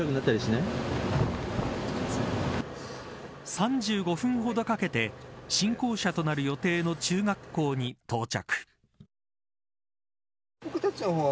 ３５分ほどかけて新校舎となる予定の中学校に到着。